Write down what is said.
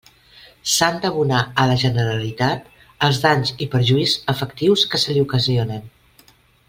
S'han d'abonar a la Generalitat els danys i perjuís efectius que se li ocasionen.